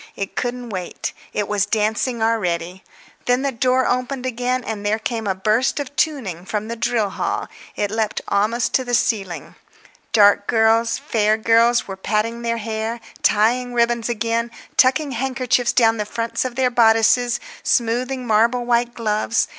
It couldn't wait; it was dancing already. When the door opened again and there came a burst of tuning from the drill hall, it leaped almost to the ceiling. Dark girls, fair girls were patting their hair, tying ribbons again, tucking handkerchiefs down the fronts of their bodices, smoothing marble white gloves.